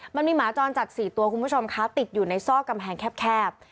มันมีหมาจรจัด๔ตัวคุณผู้ชมคะติดอยู่ในซอกกำแพงแคบ